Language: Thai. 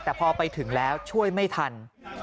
แต่พอไปถึงแล้วช่วยไม่ทัน